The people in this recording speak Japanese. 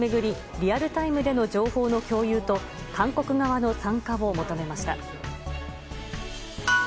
リアルタイムでの情報の共有と韓国側の参加を求めました。